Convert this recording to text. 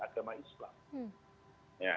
agama islam ya